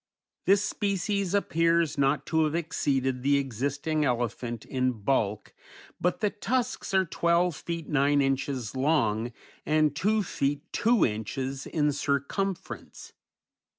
This species appears not to have exceeded the existing elephant in bulk, but the tusks are twelve feet nine inches long, and two feet two inches in circumference.